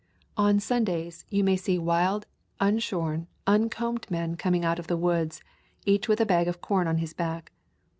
On Sundays you may see wild, unshorn, un combed men coming out of the woods, each with a bag of corn on his back.